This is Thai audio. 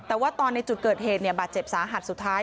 แต่ว่าตอนในจุดเกิดเหตุบาดเจ็บสาหัสสุดท้าย